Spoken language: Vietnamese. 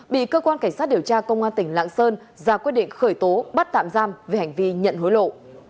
bị cơ quan cảnh sát điều tra công an tỉnh lạng sơn ra quyết định khởi tố bắt tạm giam về hành vi nhận hối lộ